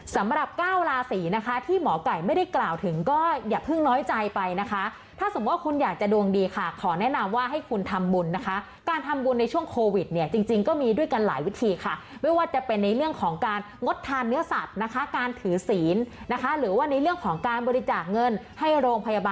สำหรับเก้าราศีนะคะที่หมอไก่ไม่ได้กล่าวถึงก็อย่าเพิ่งน้อยใจไปนะคะถ้าสมมุติคุณอยากจะดวงดีค่ะขอแนะนำว่าให้คุณทำบุญนะคะการทำบุญในช่วงโควิดเนี่ยจริงก็มีด้วยกันหลายวิธีค่ะไม่ว่าจะเป็นในเรื่องของการงดทานเนื้อสัตว์นะคะการถือศีลนะคะหรือว่าในเรื่องของการบริจาคเงินให้โรงพยาบาล